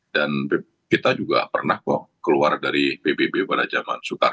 dan kita juga pernah keluar dari bbb pada jam